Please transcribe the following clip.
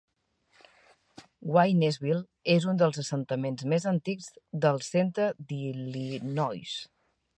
Waynesville és un dels assentaments més antics del centre d'Illinois.